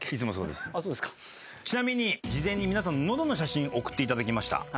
ちなみに事前に皆さん喉の写真送っていただきました。